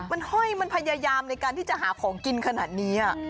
มันห้อยมันพยายามในการที่จะหาของกินขนาดนี้